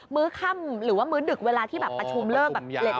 ื้อค่ำหรือว่ามื้อดึกเวลาที่แบบประชุมเลิกแบบ